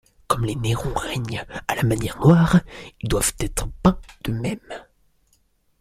Comme les nérons règnent à la manière noire, ils doivent être peints de même.